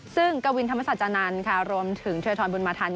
ซึ่งกวินธรรมศัตริย์จานันทร์รวมถึงถือธรรมบุญมาธันทร์